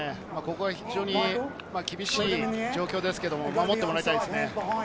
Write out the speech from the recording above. ここは非常に厳しい状況ですけれど、守ってもらいたいですね。